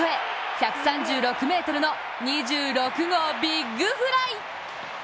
１３６ｍの２６号ビッグフライ！